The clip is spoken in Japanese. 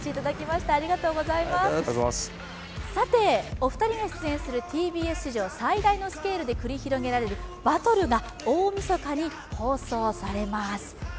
お二人が出演するＴＢＳ史上最大のスケールで繰り広げられるバトルが大みそかに放送されます。